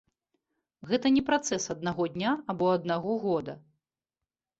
Гэта не працэс аднаго дня або аднаго года.